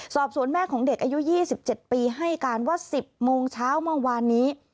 สอบสวนแม่ของเด็กอายุ๒๗ปีให้การว่า๑๐โมงเช้าเมื่อวานนี้